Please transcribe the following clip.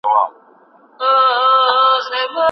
دا عجيبه شانې هنر دی زما زړه پر لمبو